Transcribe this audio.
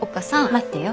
待ってよ。